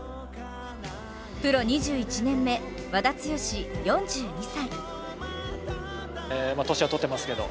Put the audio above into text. プロ２１年目、和田毅、４２歳。